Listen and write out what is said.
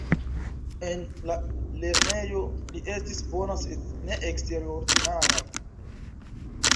En la lernejo, li estis bona sed ne eksterordinara.